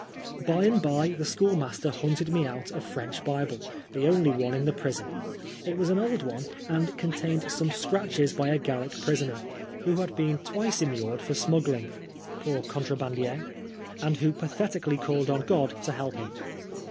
By and by the schoolmaster hunted me out a French Bible, the only one in the prison. It was an old one, and contained some scratches by a Gallic prisoner, who had been twice immured for smuggling (pour contra handier )y and who pathetically called on God to help him.